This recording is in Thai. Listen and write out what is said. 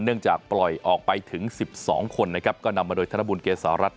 จากปล่อยออกไปถึง๑๒คนนะครับก็นำมาโดยธนบุญเกษารัฐ